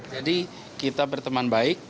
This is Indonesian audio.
jadi kita berteman baik